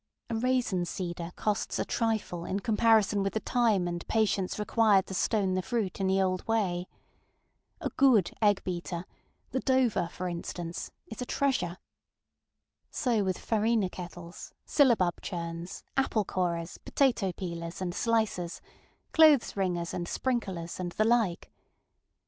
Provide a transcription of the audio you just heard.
A raisin seeder costs a trifle in comparison with the time and patience required to stone the fruit in the old way. A good egg beaterŌĆöthe Dover, for instanceŌĆöis a treasure. So with farina kettles, syllabub churns, apple corers, potato peelers and slicers, clothes wringers and sprinklers, and the like.